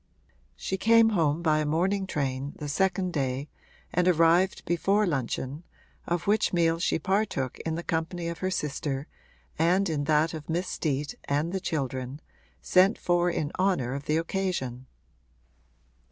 She came home by a morning train, the second day, and arrived before luncheon, of which meal she partook in the company of her sister and in that of Miss Steet and the children, sent for in honour of the occasion.